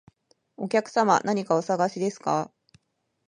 お客様、何かお探しですか？